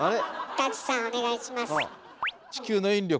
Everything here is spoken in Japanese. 舘さんお願いします。